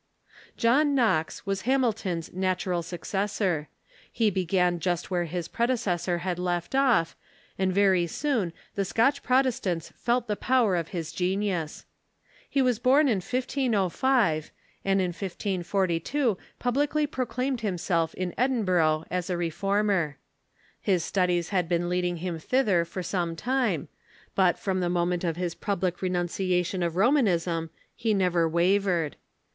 John Knox was Hamilton's natural successor. He began just where his predecessor had left off, and very soon the Scotch Protestants felt the power of his genius. He was John Knox ,...^ it. i ii. born m 1505, and m 1542 publicly proclamied him self in Edinburgh as a Reformer. His studies had been lead ing him thither for some time, but from the moment of his public renunciation of Romanism he never wavered.